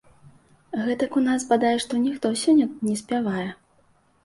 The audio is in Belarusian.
Гэтак у нас, бадай што, ніхто сёння не спявае.